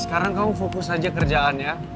sekarang kamu fokus aja kerjaannya